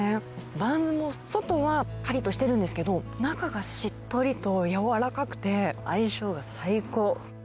バンズも外はかりっとしてるんですけど、中がしっとりと柔らかくて、相性が最高。